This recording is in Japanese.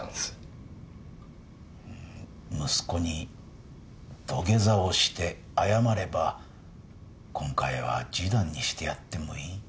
息子に土下座をして謝れば今回は示談にしてやってもいい。